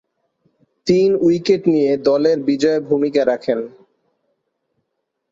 তিন উইকেট নিয়ে দলের বিজয়ে ভূমিকা রাখেন।